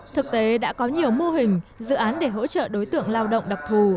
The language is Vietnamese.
thực tế đã có nhiều mô hình dự án để hỗ trợ đối tượng lao động đặc thù